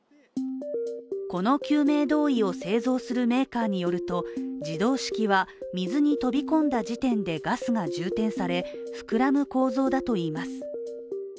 この救命胴衣を製造するメーカーによると自動式は水に飛び込んだ時点でガスが充填され膨らむ構造だといいます。